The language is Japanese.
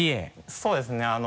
そうですね。